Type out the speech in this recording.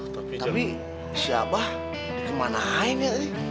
tapi si abah kemana aja tadi